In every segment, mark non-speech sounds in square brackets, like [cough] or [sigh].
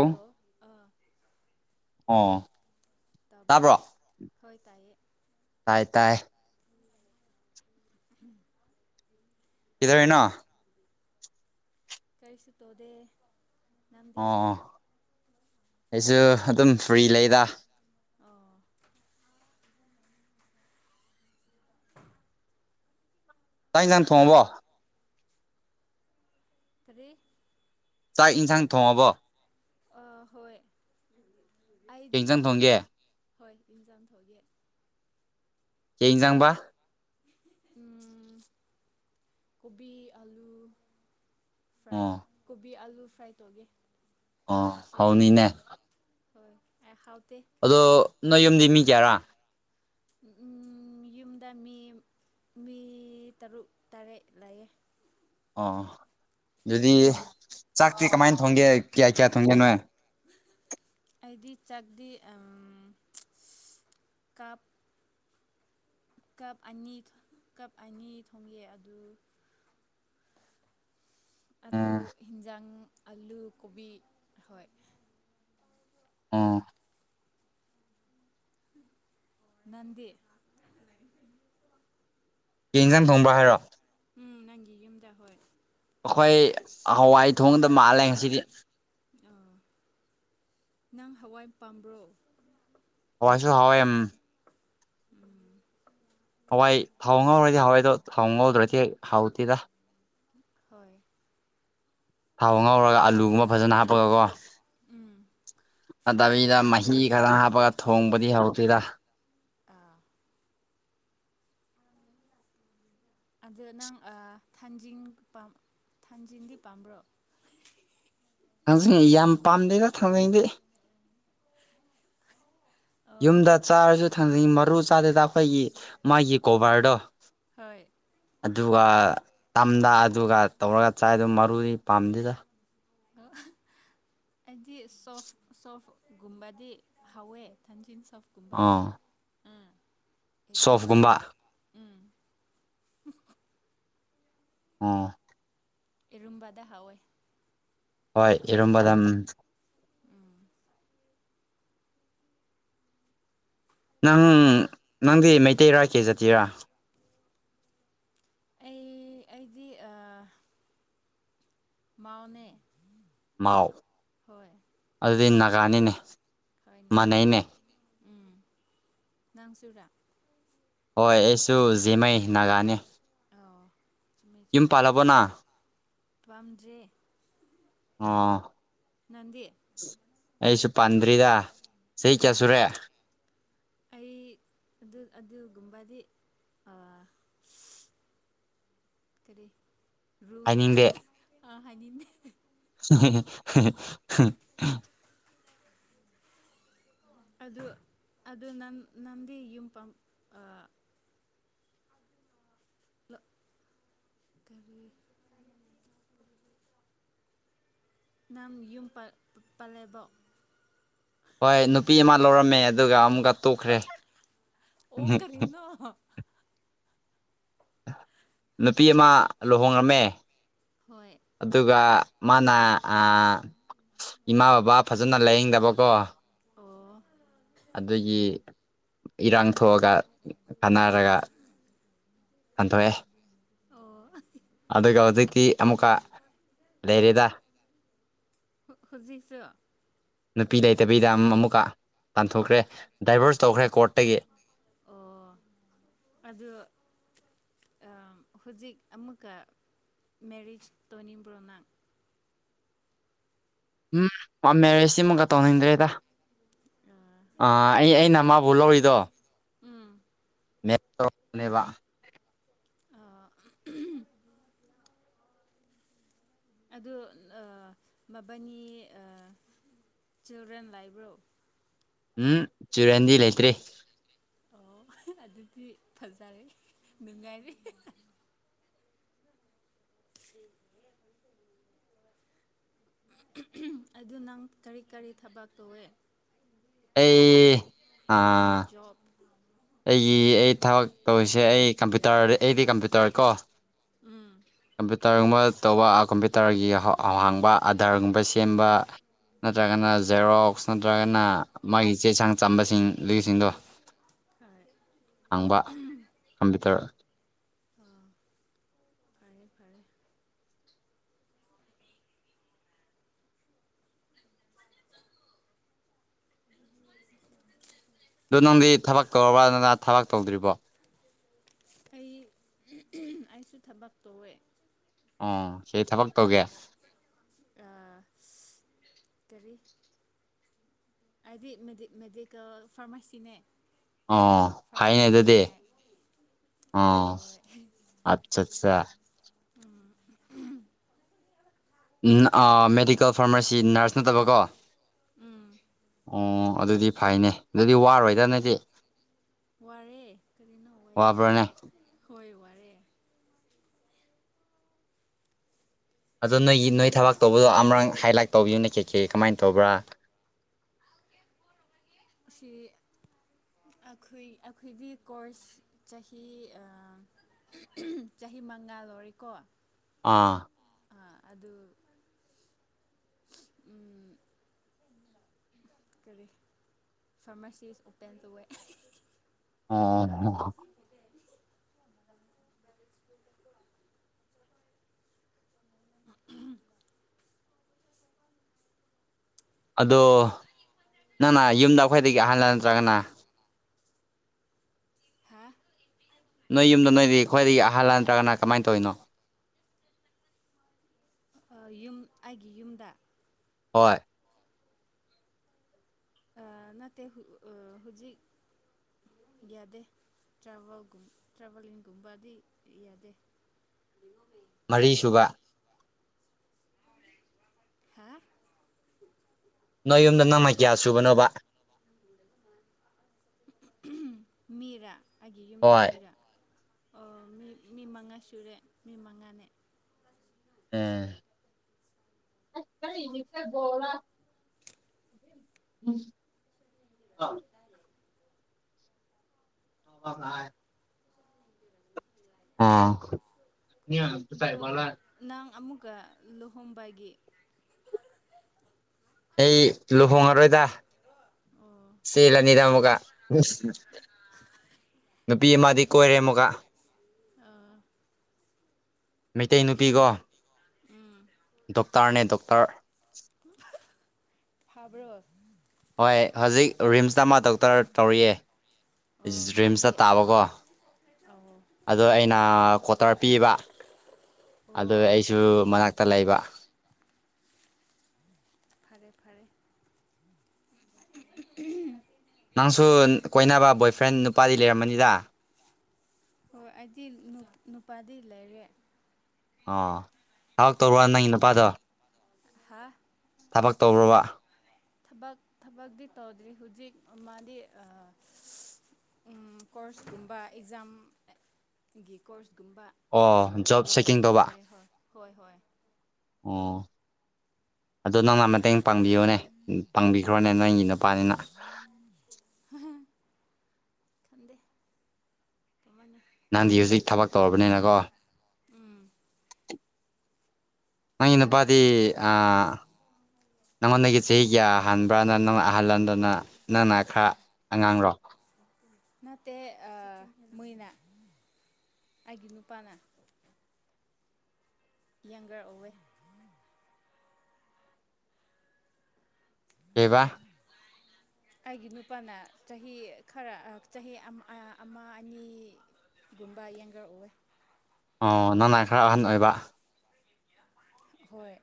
hello ꯑꯥ ꯑꯥ ꯇꯕ꯭ꯔꯣ ꯍꯣꯏ ꯇꯥꯏꯌꯦ ꯇꯥꯏ ꯇꯥꯏ ꯎꯝ ꯇꯣꯏꯅ ꯀꯔꯤꯁꯤ ꯇꯣꯗꯦ ꯑꯣ ꯑꯩꯁꯨ ꯑꯗꯨꯝ ꯐ꯭ꯔꯤ ꯂꯩꯗ ꯑꯣ ꯇꯥꯏꯒꯥꯟ ꯊꯣꯡꯉꯕꯣ ꯊꯔꯤ ꯆꯥꯛ ꯌꯦꯟꯁꯥꯡ ꯊꯣꯡꯉꯕꯣ ꯑ ꯍꯣꯏ ꯑꯩꯗꯤ ꯌꯦꯡꯖꯥꯡ ꯊꯣꯡꯒꯦ ꯍꯣꯏ ꯏꯟꯖꯥꯝ ꯊꯣꯛꯑꯦ ꯀꯖꯥꯡꯕ ꯎ ꯀꯣꯕꯤꯤ ꯑꯂꯨ ꯐ꯭ꯔꯥꯏ ꯑꯣ ꯀꯣꯕꯤ ꯑꯂꯨ ꯐ꯭ꯔꯥꯏ ꯇꯧꯒꯦ ꯑ ꯉꯁꯤ ꯍꯥꯎꯅꯤꯅꯦ ꯍꯣꯏ ꯍꯣꯏ ꯍꯥꯎ ꯑꯗꯣ ꯅꯣꯏ ꯌꯨꯝꯗꯤ ꯃꯤ ꯀꯦꯌꯥꯔꯥ ꯎ ꯎꯝ ꯌꯨꯝꯗ ꯃꯤ ꯃꯤ ꯇꯔꯨꯛ ꯇꯔꯦꯠ ꯂꯩꯌꯦꯦ ꯑꯣ ꯑꯗꯨꯗꯤ ꯆꯥꯛꯇꯤ ꯀꯃꯥꯏꯅ ꯊꯣꯡꯒꯦ ꯀꯌꯥ ꯀꯌꯥ ꯊꯣꯡꯒꯦꯅꯣꯏ ꯑꯩꯗꯤ ꯆꯥꯛꯗꯤ ꯀꯥꯞ ꯀꯞ ꯑꯅꯤ ꯀꯞ ꯑꯅꯤ ꯊꯣꯡꯉꯦ ꯑꯗꯨ ꯑꯗꯨ ꯍꯤꯟꯖꯥꯡ ꯑꯂꯨ ꯀꯣꯕꯤ ꯍꯣꯏ ꯑꯥ ꯅꯗꯤ ꯌꯦ ꯏꯟꯖꯥꯡ ꯊꯣꯡꯕ꯭ꯔꯥ ꯍꯥꯏꯔꯣ ꯎꯝ ꯅꯪꯒꯤ ꯌꯨꯝꯗ ꯍꯣꯏ ꯑꯩꯈꯣꯏ ꯍꯋꯥꯏ ꯊꯣꯡꯗ ꯃꯥꯜꯂꯦꯁꯤꯗꯤ ꯑꯥ ꯅꯪ ꯍꯋꯥꯏ ꯄꯥꯝꯕ꯭ꯔꯣ ꯑꯁꯨ ꯍꯥꯎꯋꯥꯦꯝ ꯎꯝ ꯍꯪꯉꯣꯗ꯭ꯔꯆ ꯍꯥꯎꯇꯗ ꯍꯣꯏ ꯊꯥꯎ ꯉꯥꯎꯔꯒ ꯑꯥꯂꯨꯒꯨꯝꯕ ꯐꯖꯅ ꯍꯥꯞꯄꯒꯀꯣ ꯎꯝ ꯐ꯭ꯔꯥꯏ ꯑꯗꯕꯤꯗ ꯇꯧꯔꯁꯨ ꯃꯍꯤ ꯈꯔ ꯌꯥꯏ ꯑꯩꯗꯤ ꯍꯥꯞꯄꯒ ꯊꯣꯡꯕꯗꯤ ꯍꯧꯗꯦꯔ ꯑꯥ ꯑꯗꯨ ꯅꯪ ꯊꯟꯖꯤꯟ ꯊꯥꯟꯖꯤꯟꯗꯤ ꯄꯥꯝꯕ꯭ꯔꯣ ꯊꯥꯡꯖ ꯌꯥꯝ ꯄꯥꯝꯗꯦꯗ ꯊꯥꯡꯖꯩꯗꯤ ꯑꯣ ꯌꯨꯝꯗ ꯆꯥꯔꯁꯨ ꯊꯝꯅꯤꯡꯩ ꯃꯔꯨ ꯆꯥꯗꯦꯗ ꯑꯩꯈꯣꯏꯒꯤ ꯃꯥꯒꯤ ꯀꯣꯚꯔꯗꯣ ꯍꯣꯏ ꯑꯗꯨꯒ ꯇꯝꯗ ꯑꯗꯨꯒ ꯇꯧꯔꯒ ꯆꯥꯏꯗꯨ ꯃꯔꯨꯗꯤ ꯄꯥꯝꯗꯦꯗ ꯁꯣꯐꯣꯐ ꯒꯝꯕꯗꯤ ꯍꯋꯦ ꯊꯟꯁꯤꯤꯟꯁ ꯑꯥ ꯏꯔꯨꯝꯕ ꯁꯣꯐꯒꯨꯝꯕ ꯎꯝ ꯑꯥ ꯔꯨꯝꯕꯥꯗ ꯍꯋꯏ ꯍꯣꯏ ꯏꯔꯝꯕꯗꯥꯝ ꯅꯪ ꯅꯪꯗꯤ ꯃꯩꯇꯩ ꯔꯥ ꯀꯦ ꯖꯇꯤꯔꯥ ꯑꯩ ꯑꯩꯗꯤ ꯃꯥꯎꯅꯦ ꯃꯥꯎ ꯍꯣꯏ ꯑꯗꯨꯗꯤ ꯅꯥꯒꯥꯅꯤꯅꯦ ꯍꯣꯏ ꯅꯥꯒꯥꯅꯤ ꯃꯥꯟꯅꯩꯅꯦ ꯎꯝ ꯅꯪ ꯆꯨꯔꯥ ꯍꯣꯏ ꯑꯩꯁꯨ ꯖꯤꯃꯩ ꯅꯥꯒꯥꯅꯤ ꯑꯣ ꯌ ꯄꯥꯜꯕꯅ ꯄꯝꯖꯔꯤ ꯑꯣ ꯑꯩꯁꯨ ꯄꯟꯗꯔꯤꯗ ꯁꯩ ꯆꯁꯨꯨꯔꯦ ꯑꯩ ꯑꯗꯨ ꯑꯗꯨꯒꯨꯝꯕꯗꯤ ꯀꯔꯤ ꯔꯣꯁꯗ ꯍꯥꯏꯅꯤꯡꯗꯦ ꯑꯥ ꯍꯥꯏꯅꯤꯅꯦ [unintelligible] ꯑꯗꯨ ꯑꯗꯨ ꯅ ꯅꯪꯗꯤ ꯌꯨꯝ ꯄ ꯂ ꯀꯔꯤ ꯅꯪ ꯌꯨꯝ ꯄꯜꯂꯦꯕꯣ ꯍꯣꯏ ꯅꯨꯄꯤ ꯑꯃ ꯂꯧꯔꯝꯃꯦ ꯑꯗꯨꯒ ꯑꯃꯨꯛꯀ ꯇꯣꯛꯈ꯭ꯔꯦ ꯑꯣ ꯀꯔꯤꯅꯣ ꯅꯨꯄꯤ ꯑꯃ ꯂꯨꯍꯣꯡꯉꯝꯃꯦ ꯍꯣꯏ ꯑꯗꯨꯒ ꯃꯥꯅ ꯏꯃꯥ ꯕꯕꯥ ꯐꯖꯅ ꯂꯥꯏꯌꯦꯡꯗꯕꯀꯣ ꯑꯣ ꯑꯗꯒꯤ ꯏꯔꯥꯡ ꯊꯣꯛꯑꯒ ꯀꯥꯟꯅꯔꯒ ꯇꯟꯊꯣꯛꯑꯦ ꯑꯣ ꯑꯗꯨꯒ ꯍꯧꯖꯤꯛ ꯑꯥ ꯑꯃꯨꯛꯀ ꯂꯩꯔꯦꯗ ꯍꯖꯤꯁꯨ ꯅꯨꯄꯤ ꯂꯩꯇꯕꯤꯗ ꯑꯃꯨꯛꯀ ꯇꯥꯟꯊꯣꯛꯈ꯭ꯔꯦ ꯗꯥꯏꯚꯔꯁ ꯇꯧꯈ꯭ꯔꯦ ꯀꯣꯔꯠꯇꯒꯤ ꯑꯣ ꯑꯗꯨ ꯍꯧꯖꯤꯛ ꯑꯃꯨꯛꯀ ꯃꯦꯔꯤꯁ ꯇꯣꯅꯤꯕ꯭ꯔꯣꯅꯥ ꯎꯝ ꯃꯦꯔꯦꯖꯁꯤꯃꯨꯛꯀ ꯇꯧꯅꯤꯡꯗ꯭ꯔꯦꯗ ꯑꯩ ꯑꯩꯅꯃꯕꯨ ꯂꯧꯔꯤꯗꯣ ꯎꯝ ꯂꯦꯠ [unintelligible] ꯑ [unintelligible] ꯑꯗꯣ ꯃꯕꯥꯅꯤ ꯑ ꯆꯤꯜꯗ꯭ꯔꯦꯟ ꯂꯥꯏꯕ꯭ꯔꯣ ꯎꯝ ꯆꯤꯜꯗ꯭ꯔ‌ꯦꯟꯗꯤ ꯂꯩꯇ꯭ꯔꯦ ꯑꯣ ꯑꯗꯨꯗꯤ ꯐꯖꯔꯦ ꯅꯨꯡꯉꯥꯏꯔꯦ ꯎꯝ ꯑꯗꯨ ꯅꯪ ꯀꯔꯤ ꯀꯔꯤ ꯊꯕꯛ ꯇꯧꯋꯦ ꯑꯩ ꯅꯪꯒꯤ ꯑꯥ ꯖ‌ꯣꯕ ꯑꯩꯒꯤ ꯑꯩ ꯊꯕꯛ ꯇꯧꯔꯤꯁꯦ ꯑꯩ ꯀꯝꯄ꯭ꯌꯨꯇꯔ ꯑꯩꯗꯤ ꯀꯝꯄ꯭ꯌꯨꯇꯔ ꯀꯣ ꯎꯝ ꯀꯝꯄ꯭ꯌꯨꯇꯔꯒꯨꯝꯕ ꯇꯧꯕ ꯀꯝꯄ꯭ꯌꯨꯇꯔꯒꯤ ꯑꯍꯥꯡꯕ ꯑꯗꯔꯒꯨꯝꯕ ꯁꯦꯝꯕ ꯅꯠꯇ꯭ꯔꯒꯅ ꯑꯣ ꯖꯦꯔꯣꯛꯁ ꯅꯠꯇ꯭ꯔꯒꯅ ꯃꯥꯒꯤ ꯆꯦꯆꯥꯡ ꯆꯝꯕꯁꯤꯡ ꯑꯗꯨꯒꯤꯁꯤꯡꯗꯣ ꯐꯔꯦ ꯍꯥꯡꯕ ꯀꯝꯄ꯭ꯌꯨꯇꯔ ꯑꯥ ꯐꯔꯦ ꯐꯔꯦ ꯑꯗꯨ ꯅꯪꯗꯤ ꯊꯕꯛ ꯇꯧꯔꯕ꯭ꯔ ꯅꯅ ꯊꯕꯛ ꯇꯧꯗ꯭ꯔꯤꯕꯣ ꯑꯩ ꯑꯩꯁꯨ ꯊꯕꯛ ꯇꯧꯋꯦ ꯑꯣ ꯁꯤ ꯊꯕꯛ ꯇꯧꯒꯦ ꯑ ꯀꯔꯤ ꯍꯥꯏꯗꯤ ꯃ‌ꯦꯗꯤ ꯃꯦꯗꯤꯀꯦꯜ ꯐꯥꯔꯃꯥꯁꯤꯅꯦ ꯑ ꯐꯥꯏꯌ‌ꯦ ꯐꯥꯔꯃꯥꯁꯤꯁꯅꯦ ꯑꯗꯨꯗꯤ ꯑꯩ ꯑ ꯍꯣꯏ ꯑꯠꯆꯥ ꯆꯥ ꯑꯩ ꯃꯦꯗꯤꯀꯦꯜ ꯐꯥꯔꯃꯥꯁꯤ ꯅꯔꯁ ꯅꯠꯇꯕꯀꯣ ꯎꯝ ꯑꯣ ꯑꯗꯨꯗꯤ ꯐꯩꯅꯦ ꯑꯗꯨꯗꯤ ꯋꯥꯔꯣꯏꯗ ꯅ‌ꯣꯏꯗꯤ ꯋꯥꯔꯦ ꯀꯔꯤꯅꯣ ꯋꯥꯕ꯭ꯔꯥꯅꯦ ꯍꯣꯏ ꯋꯥꯏ ꯑꯗꯣ ꯅꯣꯏꯒꯤ ꯑꯗꯨ ꯅꯣꯏ ꯊꯕꯛ ꯇꯧꯕꯗꯣ ꯑꯃꯔꯛ ꯍꯥꯏꯂꯥꯏꯠ ꯇꯧꯕꯤꯌꯨꯅ ꯀꯩꯀꯩ ꯀꯃꯥꯏꯅ ꯇꯧꯕ꯭ꯔꯥ ꯑꯁꯤ ꯑꯩꯈꯣꯏ ꯑꯩꯈꯣꯏꯒꯤ ꯀꯣꯔꯁ ꯆꯍꯤ ꯑ ꯆꯍꯤ ꯃꯉꯥꯜ ꯂꯣꯏꯔꯤꯀꯣ ꯑꯥ ꯑ ꯑꯗꯨ ꯎꯝ ꯀꯔꯤ ꯐꯥꯔꯃꯥꯁꯤꯁ ꯑꯣꯄꯦꯟ ꯇꯧꯋꯦ ꯑꯣ [inaudible] ꯑꯗꯣ ꯅꯪꯅ ꯌꯨꯝꯗ ꯑꯩꯈꯣꯏꯗꯒꯤ ꯑꯍꯜꯂ ꯅꯠꯇ꯭ꯔꯒꯅ ꯍꯥ ꯅꯣꯏ ꯌꯨꯝꯗ ꯅꯣꯏꯗꯤ ꯈ꯭ꯋꯥꯏꯗꯒꯤ ꯑꯍꯜ ꯅꯠꯇ꯭ꯔꯒꯅ ꯀꯃꯥꯏꯅ ꯇꯧꯔꯤꯅꯣ ꯑ ꯌꯨꯝ ꯑꯩꯒꯤ ꯌꯨꯝꯗ ꯍꯣꯏ ꯑ-ꯎ ꯅꯠꯇ‌ꯦ ꯍꯧꯖꯤꯛ ꯌꯥꯗꯦ ꯇ꯭ꯔꯥꯕꯦꯜꯒꯨꯝ ꯇ꯭ꯔꯥꯕꯂꯤꯡꯒꯨꯝꯕꯗꯤ ꯌꯥꯗꯦ ꯃꯔꯤꯁꯨꯕ ꯍꯥ ꯅꯣꯏ ꯌꯨꯝꯗ ꯅꯣꯡꯃꯩ ꯀꯌꯥ ꯁꯨꯕꯅꯣꯕ ꯃꯤꯔ ꯑꯩꯒꯤ ꯌꯨꯝꯗ ꯍꯣꯏ ꯃꯤꯔ ꯑꯣ ꯃꯤ ꯃꯤ ꯃꯉꯥ ꯁꯨꯔꯦ ꯃꯤ ꯃꯉꯥꯅꯦ ꯑꯑ ꯎꯝ [unintelligible] ꯑꯣ [unintelligible] ꯑꯗꯣ ꯑꯁꯥꯏꯕꯂ [unintelligible] ꯅꯪ ꯑꯃꯨꯛꯀ ꯂꯨꯍꯣꯡꯕꯒꯤ ꯑꯩ ꯂꯨꯍꯣꯡꯉꯔꯣꯏꯗ ꯑꯣ ꯁꯤꯂꯅꯤꯗꯥꯃꯒ ꯅꯨꯄꯤ ꯑꯃꯗꯤ ꯀꯣꯏꯔꯦ ꯑꯃꯨꯒ ꯑ ꯃꯩꯇꯩ ꯅꯨꯄꯤꯒꯣ ꯎꯝ ꯗꯣꯛꯇꯔꯅꯦ ꯗꯣꯛꯇꯔ ꯐꯥꯕ꯭ꯔꯣ ꯍꯣꯏ ꯍꯧꯖꯤꯛ ꯔꯤꯝꯁꯇ ꯃꯥ ꯗꯣꯛꯇꯔ ꯇꯧꯔꯛꯑꯦ ꯑꯣ ꯃꯥꯗꯤ ꯔꯤꯝꯁꯇ ꯇꯥꯕꯀꯣ ꯑꯣ ꯑꯗꯣ ꯑꯩꯅ ꯀ꯭ꯋꯥꯇꯔ ꯄꯤꯕ ꯑꯗꯨ ꯑꯣ ꯑꯩꯁꯨ ꯃꯅꯥꯛꯇ ꯂꯩꯕ ꯐꯔꯦ ꯐꯔꯦ ꯅꯪꯁꯨ ꯀꯣꯏꯅꯕ ꯕꯣꯏꯐ꯭ꯔꯦꯟ ꯅꯨꯄꯥꯗꯤ ꯂꯩꯔꯝꯃꯅꯤꯗ ꯍꯣꯏ ꯑꯩꯗꯤ ꯅꯨꯄꯥꯗꯤ ꯂꯩꯔꯦ ꯑꯣ ꯊꯕꯛ ꯇꯧꯕꫪꫭ ꯅꯪꯒꯤ ꯅꯨꯄꯥꯗꯣ ꯍꯥ ꯊꯕꯛ ꯇꯧꯔꫭꯕ꯭ꯔ ꯊꯕꯛ ꯊꯕꯛꯇꯤ ꯇꯧꯗ꯭ꯔꯤ ꯍꯧꯖꯤꯛ ꯃꯥꯗꯤ ꯑꯥ ꯎꯝ ꯀꯣꯔꯁꯀꯨꯝꯕ ꯑꯦꯛꯖꯥꯝꯒꯤ ꯀꯣꯔꯁ ꯒꯨꯕ ꯑꯣ ꯖꯣꯕ ꯂꯣꯏ ꯁꯦꯀꯤꯡ ꯇꯧꯕ ꯂꫭꯏꯔ‌ꯦ ꯍꯣꯏ ꯍꯣꯏ ꯍꯣꯏ ꯑꯣ ꯑꯗꯨ ꯅꯪꯅ ꯃꯇ‌ꯦ ꯄꯥꯡꯕꯤꯌꯣꯅꯦ ꯄꯥꯡꯕꯤꯗ꯭ꯔꯣꯅꯦ ꯅꯪꯒꯤ ꯅꯨꯄꯥꯅꯤꯅ ꯈꯟꯗꯦ ꯀꯝꯃꯥꯏꯅ ꯅꯥꯟꯗꯤ ꯍꯧꯖꯤꯛ ꯊꯕꯛ ꯇꯧꯔꯕꯅꯤꯅꯀꯣ ꯎꯝ ꯅꯪ ꯏ ꯅꯨꯄꯥꯗꯤ ꯑꯥ ꯅꯪꯉꯣꯟꯗꯒꯤ ꯆꯍꯤ ꯀꯌꯥ ꯍꯥꯟꯕ꯭ꯔꯥꯅ ꯅꯪꯅ ꯑꯍꯜꯍꯟꯗꯅ ꯅꯪꯅ ꯈꯔ ꯑꯉꯥꯡꯔꯣ ꯅꯠꯇ‌ꯦ ꯃꯣꯏꯅꯥ ꯑꯩꯒꯤ ꯅꯨꯄꯥꯅ ꯌꯪꯒꯔ ꯑꯣꯏꯋꯦ ꯀꯩꯕꯥ ꯑꯩꯒꯤ ꯅꯨꯄꯥꯅ ꯆꯍꯤ ꯈꫪ ꯑꯥ ꯆꯍꯤ ꯑꯝ ꯑꯥ ꯑꯃꯥ ꯑꯅꯤ ꯒꯨꯝꯕ ꯌꯦꯡꯒꯔꯑꯣꯏ ꯑꯣ ꯅꯪꯅꯥ ꯈꯔ ꯑꯍꯟ ꯑꯣꯏꯕ ꯍꯣꯏ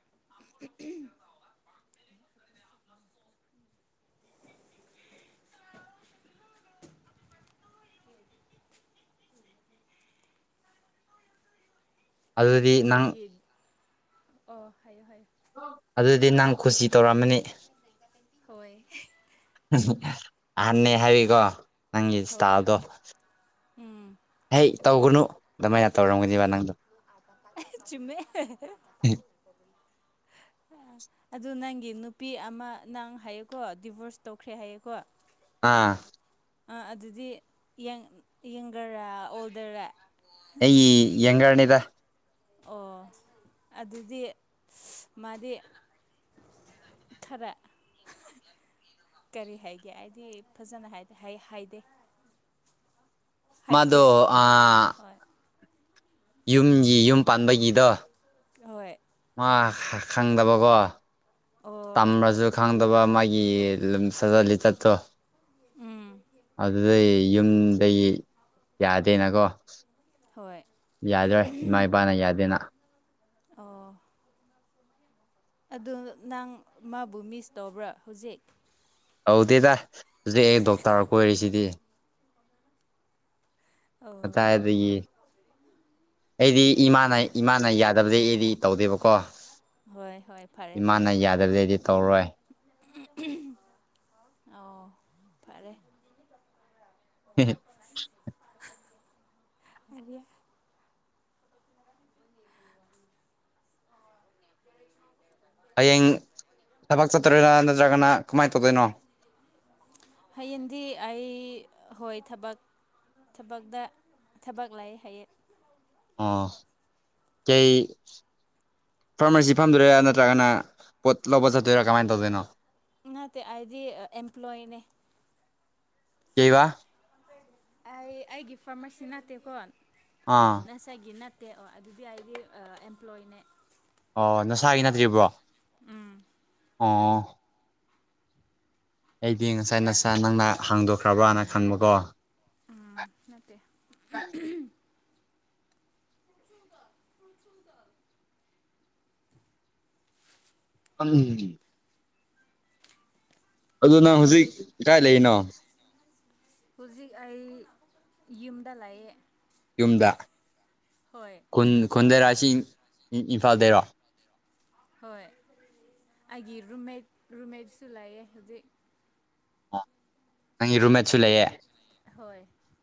ꯑꯗꯨ ꯑꯗꯨꯗꯤ ꯅꯪ ꯅꯪꯒꯤ ꯑꯣ ꯍꯥꯏꯌꯨ ꯍꯥꯏꯌꯨ ꯑꯗꯨꯗꯤ ꯅꯪ ꯈꯨꯁꯤ ꯇꯧꯔꯝꯃꯅꯤ ꯍꯣꯏ ꯑꯍꯥꯟꯅꯦ ꯍꯥꯏꯔꯤꯀꯣ ꯅꯪꯒꯤ ꯏꯁ ꯍꯣꯏ ꯇꯜꯗꯣ ꯎꯝ ꯇꯧꯒꯅꯨ ꯑꯗꯨꯃꯥꯏꯅ ꯇꯧꯔꯝꯒꯅꯦꯕ ꯅꯪꯗꯣ ꯆꯨꯝꯃꯦ ꯍꯝ ꯑꯗꯨ ꯅꯪꯒꯤ ꯅꯨꯄꯤ ꯑꯝꯃꯥ ꯅꯪ ꯍꯥꯏꯌꯦꯀꯣ ꯗꯤꯚꯣꯔꯁ ꯇꯧꯈ꯭ꯔꯦ ꯍꯥꯏꯌꯦꯀꯣ ꯑꯥ ꯑꯥ ꯑꯗꯨꯗꯤ ꯌꯦꯡ ꯌ‌ꯦꯡꯒꯔꯔꯥ ꯑꯣꯜꯗꯔꫪꯥ ꯑꯤ ꯌꯦꯡꯒꯔꯅꯤꯗ ꯑꯣ ꯑꯗꯨꯗꯤ ꯃꯥꯗꯤ ꯊꫪꯥ ꯀꯔꯤ ꯍꯥꯏꯒꯦ ꯍꯥꯏꯗꯤ ꯐꯖꯅ ꯍꯥꯏꯗꯦ ꯍꯥꯏꯌ‌ꯦ ꯍꯥꯏꯗꯤ ꯑꯗꫭ ꯑꯥ ꯍꯣꯏ ꯌꯨꯝꯒꯤ ꯌꯨꯝ ꯄꯥꯟꯕꯒꯤꯗꯣ ꯍꯣꯏ ꯑꯥ ꯈꯪꯗꯕꯀꯣ ꯑꯣ ꯑꯝꯃꫪꯖꯨ ꯈꯪꯗꯕ ꯃꯥꯒꯤ ꯂꯝ ꯁꯖꯠ ꯂꯤꯆꯠꯇꯣ ꯎꯝ ꯑꯗꯨꯗꯩ ꯌꯨꯝꯗꯩꯒꯤ ꯌꯥꯗꯦꯅꯀꯣ ꯍꯣꯏ ꯌꯥꯂꫭꯏ ꯏꯃꯥ ꯏꯄꯥꯅ ꯌꯥꯗꯦꯅ ꯑꯣ ꯑꯗꯨꯗꫭ ꯅꯪ ꯃꯥꯕꯨ ꯃꯤꯁ ꯇꯧꯕ꯭ꯔꯥ ꯍꯧꯖꯤꯛ ꯇꯧꯗꯦꯗ ꯍꯧꯖꯤꯛ ꯑꯩ ꯗꯣꯛꯇꯔ ꯀꯣꯏꯔꯤꯁꯤꯗꯤ ꯑꯣ ꯇꯥꯗ‌ꯦꯌ‍ꯦ ꯑꯩꯗꯤ ꯏꯃꯥꯅ ꯏꯃꯥꯅ ꯌꯥꯗꯕꯗꯤ ꯑꯩꯗꯤ ꯇꯧꯗꯦꯕꯀꯣ ꯍꯣꯏ ꯍꯣꯏ ꯐꯔꯦ ꯏꯝꯃꯥꯅ ꯐꯔꯦ ꯌꯥꯗꯕꯗꯤ ꯑꯩꯗꯤ ꯇꯧꫪꯥꯔꯣꯏ ꯑꯣ ꯐꯔꯦ ꯀꯤ ꯑ ꯍꯌꯦꯡ ꯊꯕꯛ ꯆꯠꯇꯔꯣꯏꯔ ꯅꯠꯇ꯭ꯔꯒꯅ ꯀꯃꯥꯏꯅ ꯇꯧꯗꯣꯏꯅꯣ ꯍꯌꯦꯗꯤ ꯑꯩ ꯍꯣꯏ ꯊꯕꯛ ꯊꯕꯛꯇ ꯊꯕꯛ ꯂꯩ ꯍꯥꯏꯌꯦꯡ ꯑ ꯀꯩ ꯐꯥꯔꯃꯥꯁꯤ ꯐꯝꯗꯣꯏꯔꯥ ꯅꯠꯇ꯭ꯔꯒꯅ ꯄꯣꯠ ꯂꯧꯕ ꯆꯠꯇꯣꯏꯔꯥ ꯀꯃꯥꯏꯅ ꯇꯧꯗꯣꯏꯅꯣ ꯅ ꯇ ꯑꯗꯤ ꯑꯦꯄ꯭ꯂꯣꯣꯌꯅꯦ ꯀꯩ ꯋꯥ ꯑꯩ ꯑꯩꯒꯤ ꯐꯥꯔꯃꯥꯁꯤ ꯅꯅꯥꯠꯇꯦꯀꯣꯟ ꯑꯥ ꯉꯁꯥꯏꯒꯤꯦ ꯗꯦ ꯑꯣ ꯑꯗꯨꯗꯤ ꯑꯩꯒꯤ ꯑꯦꯝꯄ꯭ꯂꯣꯏꯅꯦ ꯑꯣ ꯅꯁꯥꯒꯤ ꯅꯠꯇ꯭ꯔꯤꯕ꯭ꯔꯣ ꯎꯝ ꯑꯥ ꯑꯩꯗꯤ ꯉꯁꯥꯏ ꯅꯁ ꯅꯪꯅ ꯍꯥꯡꯗꯣꯛꯈ꯭ꯔꯕ꯭ꯔꯥꯅ ꯈꯪꯕꯀꯣ ꯑꯥ ꯃꯦ ꯆ ꯍ ꯑꯗꯨ ꯅꯪ ꯍꯧꯖꯤꯛ ꯀꯗꯥꯥꯏ ꯂꯩꯔꯤꯅꯣ ꯍꯧꯖꯤꯛ ꯑꯩ ꯌꯨꯝꯗ ꯂꯥꯛꯑꯦ ꯌꯨꯝꯗ ꯈꯨ ꯈꯨꯟꯗꯔꯥꯁꯤ ꯏꯝꯐꯥꯜꯗꯔꯣ ꯍꯣꯏ ꯑꯩꯒꯤ ꯔꯨꯝꯃꯦꯠ ꯔꯨꯝꯃꯦꯠꯁꯨ ꯂꯥꯛꯑꯦ ꯍꯧꯖꯤꯛ ꯅꯪꯒꯤ ꯔꯨꯝꯃꯦꯠꯁꯨ ꯂꯩꯌꯦ ꯍꯣꯏ